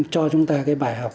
cho chúng ta cái bài học